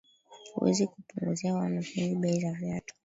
Huwezi kupunguzia wanafunzi bei za viatu